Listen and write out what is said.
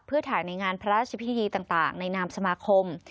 เพื่อถ่ายในงานพระราชพิธีต่างในนามสมาคม